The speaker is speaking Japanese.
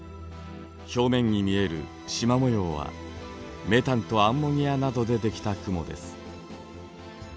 表面に見えるしま模様はメタンとアンモニアなどでできた雲です。